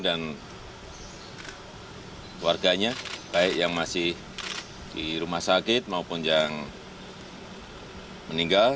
dan warganya baik yang masih di rumah sakit maupun yang meninggal